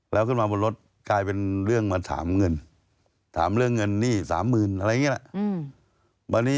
แล้วขึ้นมาบนรถกลายเป็นเรื่องมาถามเงินถามเรื่องเงินหนี้๓๐๐๐อะไรอย่างนี้แหละ